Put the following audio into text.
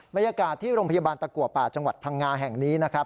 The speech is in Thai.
บรรยากาศที่โรงพยาบาลตะกัวป่าจังหวัดพังงาแห่งนี้นะครับ